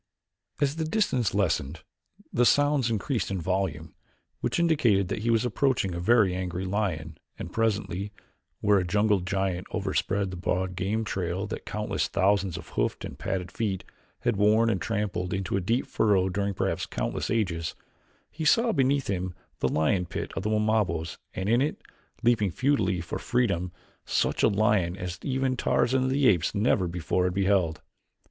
As the distance lessened, the sounds increased in volume, which indicated that he was approaching a very angry lion and presently, where a jungle giant overspread the broad game trail that countless thousands of hoofed and padded feet had worn and trampled into a deep furrow during perhaps countless ages, he saw beneath him the lion pit of the Wamabos and in it, leaping futilely for freedom such a lion as even Tarzan of the Apes never before had beheld.